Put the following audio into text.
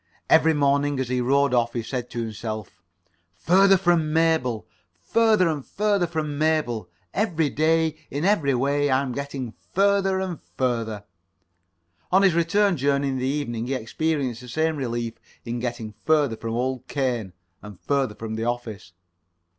Every morning as he rode off he said to himself: "Further from Mabel. Further and further from Mabel. Every day, in every way, I'm getting further and further." On his return journey in the evening he experienced the same relief in getting further from old Cain, and further from the office.